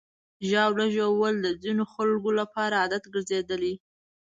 ژاوله ژوول د ځینو خلکو لپاره عادت ګرځېدلی.